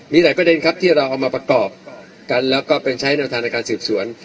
มีหลายประเด็นครับที่เราเอามาประกอบกันแล้วก็เป็นใช้แนวทางในการสืบสวน